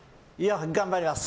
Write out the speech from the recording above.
頑張ります。